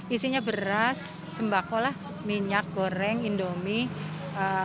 isinya beras sembako lah minyak goreng indomie